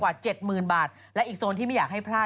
พี่ชอบแซงไหลทางอะเนาะ